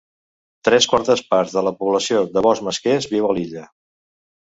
Tres quartes parts de la població de bous mesquers viu a l'illa.